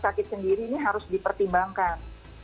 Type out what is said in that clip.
jadi ruang ruang sendiri ini harus dipertimbangkan